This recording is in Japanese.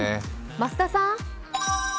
増田さん。